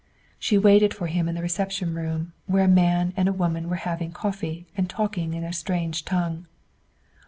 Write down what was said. She waited for him in the reception room, where a man and a woman were having coffee and talking in a strange tongue.